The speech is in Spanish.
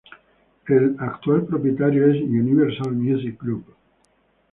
El actual propietario es Universal Music Group.